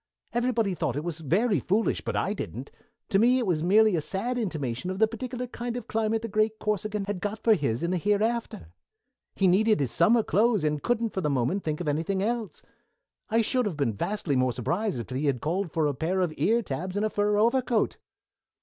Everybody thought it was very foolish, but I didn't. To me it was merely a sad intimation of the particular kind of climate the great Corsican had got for his in the hereafter. He needed his summer clothes, and couldn't for the moment think of anything else. I should have been vastly more surprised if he had called for a pair of ear tabs and a fur overcoat."